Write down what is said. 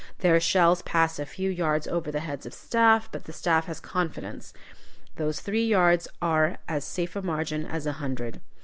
Their shells pass a few yards over the heads of the staff, but the staff has confidence. Those three yards are as safe a margin as a hundred.